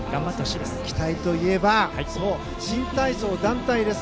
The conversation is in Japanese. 期待といえば新体操団体です。